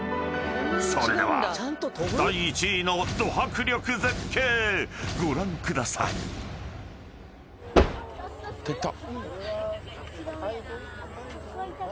［それでは第１位のド迫力絶景ご覧ください］いったいった。